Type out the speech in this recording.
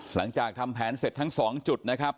หลังจากทำแผนเสร็จทั้ง๒จุดนะครับ